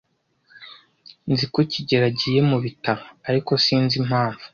Nzi ko kigeli agiye mu bitaro, ariko sinzi impamvu.